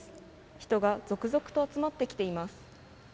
人が続々と集まってきています。